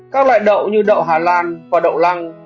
các loại đậu như đậu hà lan và đậu lăng